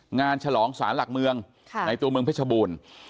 ฉลองศาลหลักเมืองในตัวเมืองเพชรบูรณ์